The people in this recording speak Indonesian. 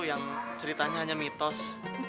yang ceritanya hanya mitos